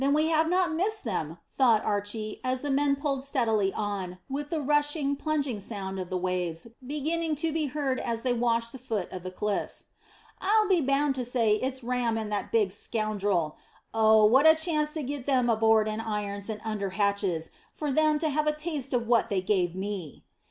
"Then we have not missed them," thought Archy, as the men pulled steadily on, with the rushing, plunging noise of the waves beginning to be heard as they washed the foot of the cliffs. "I'll be bound to say it is Ram and that big scoundrel. Oh, what a chance to get them aboard in irons and under hatches, for them to have a taste of what they gave me!"